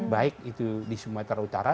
baik itu di sumatera utara